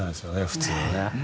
普通はね。